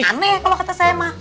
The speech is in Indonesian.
aneh kalau kata saya mah